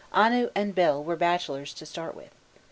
Anu and Bel were bachelors to start with.